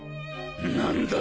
何だ？